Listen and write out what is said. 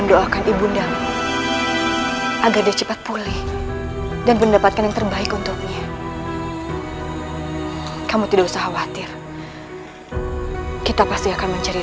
orang itu harus dicari